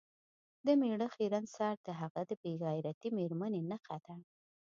د میړه خیرن سر د هغه د بې غیرتې میرمنې نښه ده.